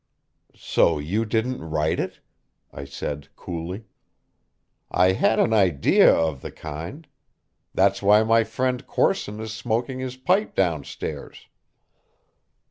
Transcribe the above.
"So you didn't write it?" I said coolly. "I had an idea of the kind. That's why my friend Corson is smoking his pipe down stairs."